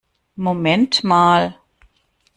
Moment mal!